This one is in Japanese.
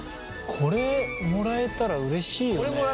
これもらったらうれしいよ。